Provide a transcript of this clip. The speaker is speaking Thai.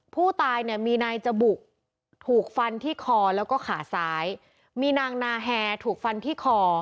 ผู้ตายเนี่ยมีนายจบุกถูกฟันที่คอแล้วก็ขาซ้ายมีนางนาแฮถูกฟันที่คอ